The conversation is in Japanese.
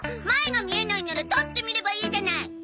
前が見えないんなら立って見ればいいじゃない！